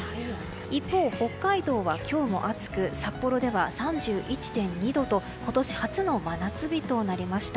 一方、北海道は今日も暑く札幌では３１．２度と今年初の真夏日となりました。